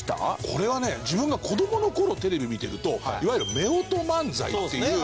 これはね自分が子どもの頃テレビ見てるといわゆる夫婦漫才っていう。